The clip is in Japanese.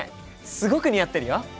すごく似合ってるよ！